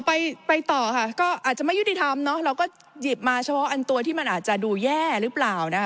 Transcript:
ไปไปต่อค่ะก็อาจจะไม่ยุติธรรมเนอะเราก็หยิบมาเฉพาะอันตัวที่มันอาจจะดูแย่หรือเปล่านะคะ